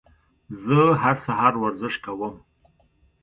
زه هر سهار ورزش کوم.